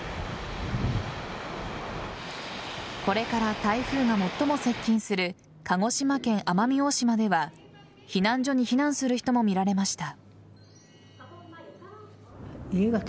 これから台風が最も接近する鹿児島県奄美大島では避難所に避難する人も見られました。